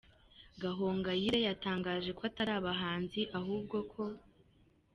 Gahongayire yatangaje ko atari abahanzi ahubwo ko